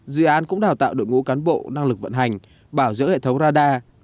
dự án cũng đào tạo đội ngũ cán bộ năng lực vận hành bảo dưỡng hệ thống radar